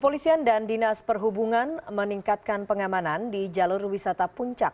polisian dan dinas perhubungan meningkatkan pengamanan di jalur wisata puncak